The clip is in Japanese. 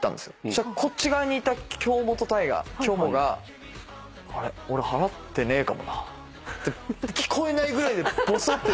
そしたらこっち側にいた京本大我きょもが「あれ俺払ってねえかもな」って聞こえないぐらいでぼそっと言ったんですよ。